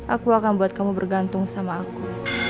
aku akan buat kamu bergantung sama aku